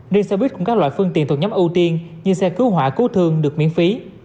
riêng xe buýt cùng các loại phương tiện thuộc nhóm ưu tiên như xe cứu hỏa cứu thương được miễn phí